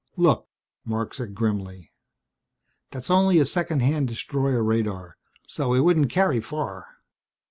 "Look," Marc said grimly, "that's only a second hand destroyer radar, so it wouldn't carry far.